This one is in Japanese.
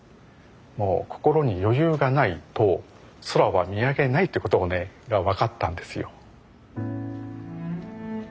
もう心に余裕がないと空は見上げないということをねが分かったんですよ。